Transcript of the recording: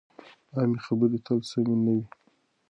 عامې خبرې تل سمې نه وي.